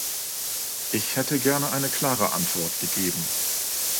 Ich hätte gerne eine klare Antwort gegeben.